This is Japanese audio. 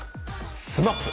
ＳＭＡＰ。